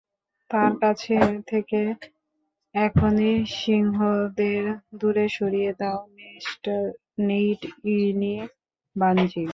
তার কাছ থেকে এখনই সিংহদের দূরে সরিয়ে দাও মিঃ নেইট, ইনি বানজি।